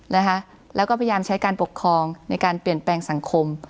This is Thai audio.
นะคะแล้วก็พยายามใช้การปกครองในการเปลี่ยนแปลงสังคม